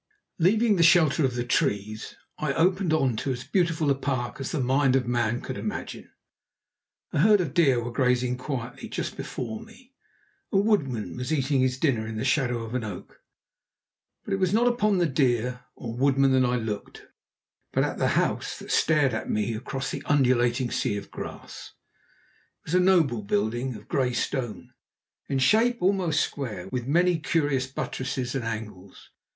Leaving the shelter of the trees, I opened on to as beautiful a park as the mind of man could imagine. A herd of deer were grazing quietly just before me, a woodman was eating his dinner in the shadow of an oak; but it was not upon deer or woodman that I looked, but at the house that stared at me across the undulating sea of grass. It was a noble building, of grey stone, in shape almost square, with many curious buttresses and angles.